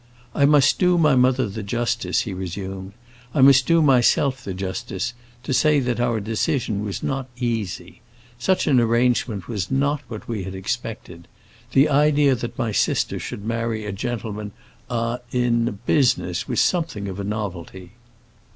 "I must do my mother the justice," he resumed, "I must do myself the justice, to say that our decision was not easy. Such an arrangement was not what we had expected. The idea that my sister should marry a gentleman—ah—in business was something of a novelty."